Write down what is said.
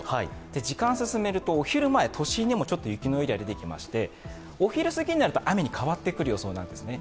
時間を進めるとお昼前、都心でもちょっと雪のエリアが出てきましてお昼過ぎになると雨に変わってくる予想なんですね。